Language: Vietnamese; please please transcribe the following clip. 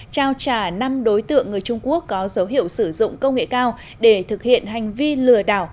trao trả năm đối tượng người trung quốc có dấu hiệu sử dụng công nghệ cao để thực hiện hành vi lừa đảo